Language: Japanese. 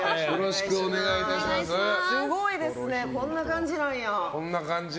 すごいですねこんな感じなんや。